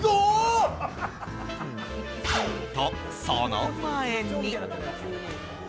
と、その前に。